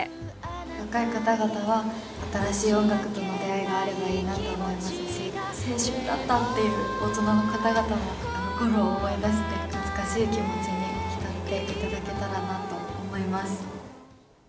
若い方々は、新しい音楽との出会いがあればいいなと思いますし、青春だったっていう大人の方もあのころを思い出して、懐かしい気持ちに浸っていただけたらなと思います。